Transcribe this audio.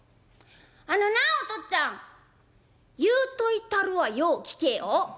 「あのなおとっつぁん言うといたるわよう聞けよ。